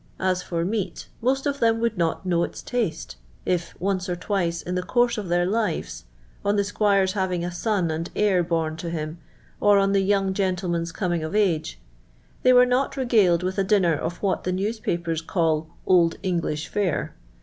As for meat, most of them would not know its t.iste, if, once or twitt; <;i thf conrnc uf ihtlv livi», — <iii the »«iu:rc's having a son and heir born to hii'i, or on tlie younff gentleniun's coming of age, — tiny were not regaled with a dinner of what the newspapers call * old Knglish fare.'